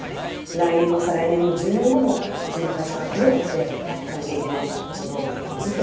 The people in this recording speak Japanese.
来年も再来年も１０年後もうちの会社がどうやってやってかなきゃいけないかってことをずっと考えてますよね。